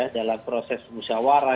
dalam proses musyawarah